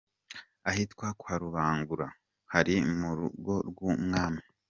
Ahitwa kwa Rubangura hari mu rugo rw’umwami.